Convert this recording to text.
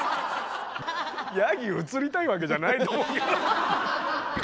ヤギ映りたいわけじゃないと思うけど。